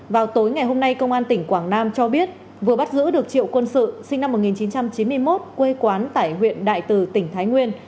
vào tối ngày hôm nay công an tỉnh quảng nam cho biết vừa bắt giữ được triệu quân sự sinh năm một nghìn chín trăm chín mươi một quê quán tại huyện đại từ tỉnh thái nguyên